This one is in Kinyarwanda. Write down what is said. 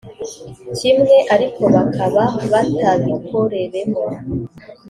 kimwe ariko bakaba batabikoreremo